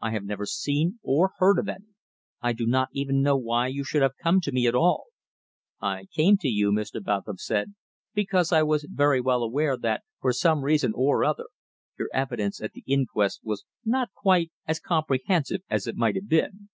I have never seen or heard of any. I do not even know why you should have come to me at all." "I came to you," Mr. Bentham said, "because I was very well aware that, for some reason or other, your evidence at the inquest was not quite as comprehensive as it might have been."